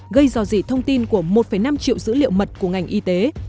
gây dò dị thông tin của một năm triệu dữ liệu mật của ngành y tế